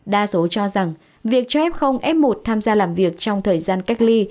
đa số cho rằng việc cho f f một tham gia làm việc trong thời gian cách ly